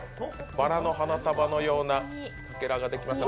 ばらの花束のようなものができました。